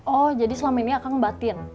oh jadi selama ini akang batin